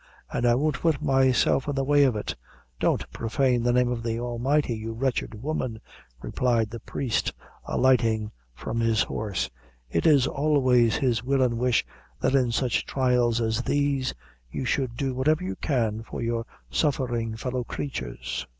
an' I won't put myself in the way o' it." "Don't profain the name of the Almighty, you wretched woman," replied the priest, alighting from his horse; "it is always His will and wish, that in such trials as these you should do whatever you can for your suffering fellow creatures."